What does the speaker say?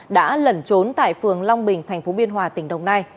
đã lẩn trốn tại phường long bình thành phố biên hòa tỉnh đồng nai